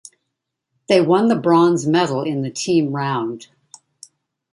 They won the bronze medal in the team round.